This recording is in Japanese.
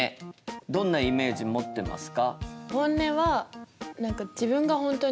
どんなイメージ持ってますか？